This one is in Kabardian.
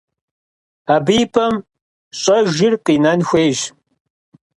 Абы и пӀэм щӀэжыр къинэн хуейщ.